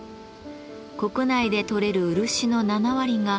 国内で採れる漆の７割が